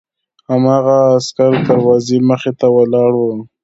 هماغه عسکر د دروازې مخې ته ولاړ و